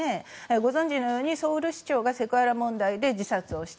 ご存じのようにソウル市長がセクハラ問題で自殺した。